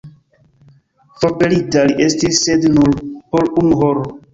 Forpelita li estis, sed nur por unu horo.